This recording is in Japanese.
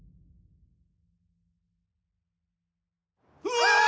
うわ！